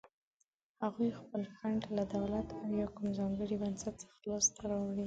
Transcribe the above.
هغوی خپل فنډ له دولت او یا کوم ځانګړي بنسټ څخه لاس ته راوړي.